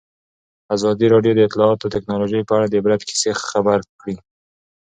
ازادي راډیو د اطلاعاتی تکنالوژي په اړه د عبرت کیسې خبر کړي.